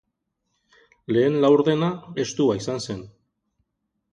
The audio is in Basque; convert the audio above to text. Lehen laurdena estua izan zen.